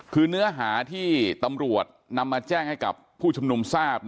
คือเนื้อหาที่ตำรวจนำมาแจ้งให้กับผู้ชุมนุมทราบ